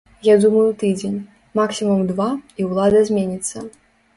Я думаю тыдзень, максімум два і ўлада зменіцца.